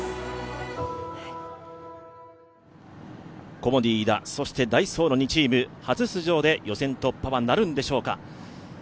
コモディイイダ、そしてダイソーの２チーム、初出場で予選突破はなるんでしょうか。